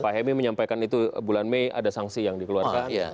pak hemi menyampaikan itu bulan mei ada sanksi yang dikeluarkan